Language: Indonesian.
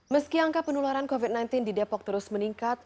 meski angka penularan covid sembilan belas di depok terus meningkat